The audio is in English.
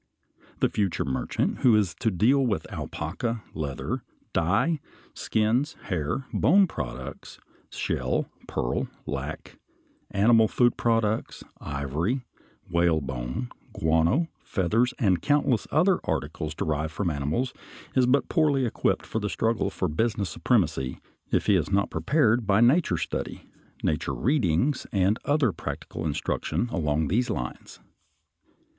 The future merchant who is to deal in alpaca, leather, dye, skins, hair, bone products, shell, pearl, lac, animal food products, ivory, whalebone, guano, feathers, and countless other articles derived from animals is but poorly equipped for the struggle for business supremacy if he is not prepared by nature study, nature readings, and other practical instruction along these lines.